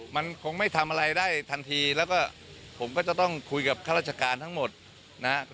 มันคงไม่ทำอะไรได้ทันทีแล้วก็ผมก็จะต้องคุยกับข้าราชการทั้งหมดนะครับ